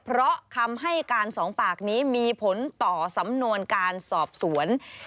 เพราะคำให้การสองปากนี้มีผลต่อสำนวนการสอบสวน